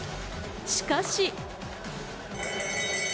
しかし。